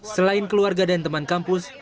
selain keluarga dan teman kampus